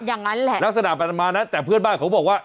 อย่างนั้นแหละลักษณะประมาณนั้นแต่เพื่อนบ้านเขาบอกว่า